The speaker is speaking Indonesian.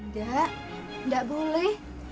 nggak nggak boleh